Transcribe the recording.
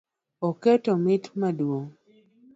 Oketo mit madung’